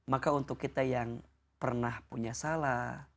maka untuk kita yang pernah punya salah